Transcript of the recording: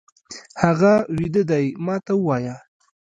هغه ويده دی، ما ته ووايه!